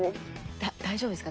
大丈夫ですか？